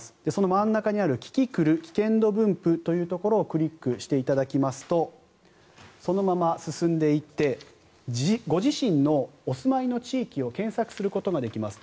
真ん中にある、キキクル危険度分布というところをクリックしていただきますとそのまま進んでいってご自身のお住まいの地域を検索することができます。